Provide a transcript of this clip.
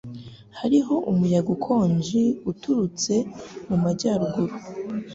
Hariho umuyaga ukonje uturutse mu majyaruguru.